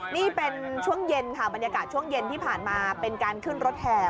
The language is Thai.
นี่เป็นช่วงเย็นค่ะบรรยากาศช่วงเย็นที่ผ่านมาเป็นการขึ้นรถแห่